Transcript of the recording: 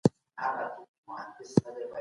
فساد کول لویه بدبختي ده.